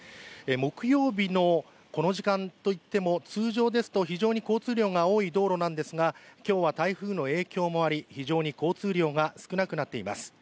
木曜日のこの時間といっても通常ですと非常に交通量が多い道路なんですが今日は台風の影響もあり、非常に交通量が少なくなっています。